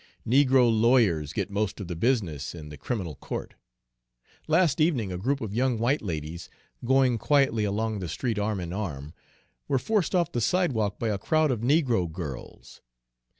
Negro lawyers get most of the business in the criminal court. Last evening a group of young white ladies, going quietly along the street arm in arm, were forced off the sidewalk by a crowd of negro girls.